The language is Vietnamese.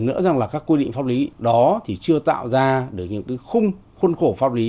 nữa rằng là các quy định pháp lý đó thì chưa tạo ra được những khung khuôn khổ pháp lý